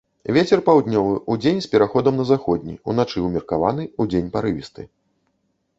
Вецер паўднёвы, удзень з пераходам на заходні, уначы ўмеркаваны, удзень парывісты.